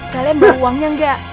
kalian bawa uangnya gak